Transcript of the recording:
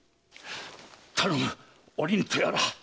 頼むお凛とやら！